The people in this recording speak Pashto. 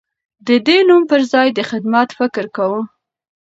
ده د نوم پر ځای د خدمت فکر کاوه.